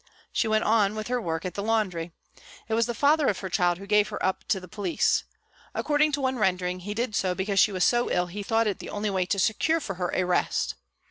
She went on with her work at the laundry. It was the father of her child who gave her up to the police ; according to one rendering, he did so because she was so ill he thought it the only way to secure for her " a rest."